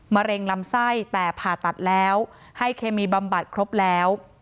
เร็งลำไส้แต่ผ่าตัดแล้วให้เคมีบำบัดครบแล้ว